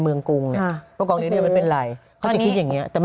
เราไม่ควรไปขัดข้าม